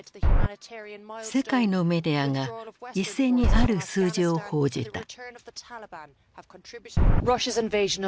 世界のメディアが一斉にある数字を報じた。